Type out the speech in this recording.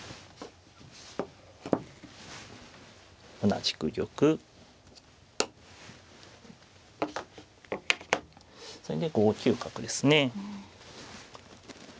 同じく玉それで５九角ですね。